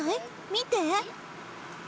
見て。